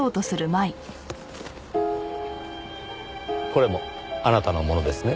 これもあなたのものですね？